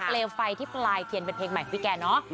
เลวไฟที่ปลายเทียนเป็นเพลงใหม่ของพี่แกเนาะ